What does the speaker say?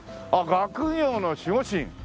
「学業の守護神」！